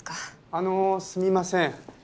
あのすみません。